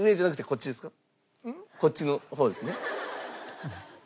こっちの方ですね？